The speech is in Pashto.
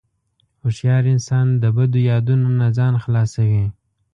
هوښیار انسان د بدو یادونو نه ځان خلاصوي.